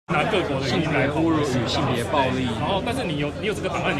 性別侮辱與性別暴力